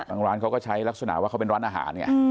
ร้านเขาก็ใช้ลักษณะว่าเขาเป็นร้านอาหารไง